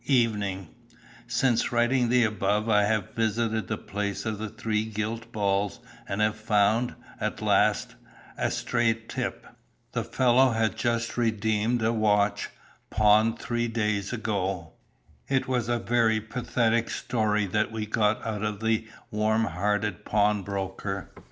"Evening "Since writing the above I have visited the place of the three gilt balls and have found, at last, 'a straight tip.' "The fellow had just redeemed a watch, pawned three days ago. It was a very pathetic story that we got out of the warm hearted pawnbroker.